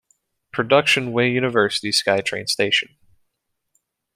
Production Way-University SkyTrain station.